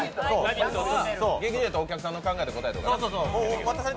劇場やったらお客さんの考えでやるけどね。